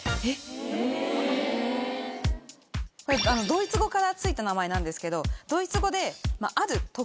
ドイツ語から付いた名前なんですけど。